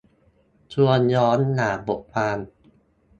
ชวนย้อนอ่านบทความ